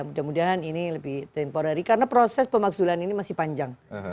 mudah mudahan ini lebih temporary karena proses pemakzulan ini masih panjang